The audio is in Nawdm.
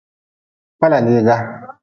Kpalaliga.